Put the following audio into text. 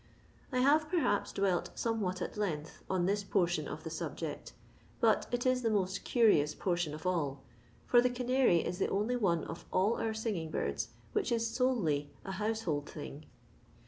I have, perhaps, dwelt somewhat at length on this portion of the subject, but it is the most curious portion of all, for the canary is the only one of all our singing birds which is ioUly a household thing.